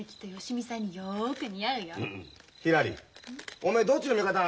おめえどっちの味方なんだ！？